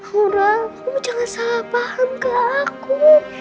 aura kamu jangan salah paham ke aku